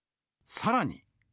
さらに。